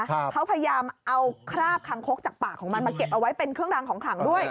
เขาพยายามเอาคราบคางคกจากปากของมันมาเก็บเอาไว้เป็นเครื่องรางของขลังด้วย